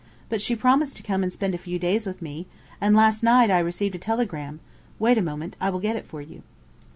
"But she promised to come and spend a few days with me, and last night I received a telegram wait a moment, I will get it for you."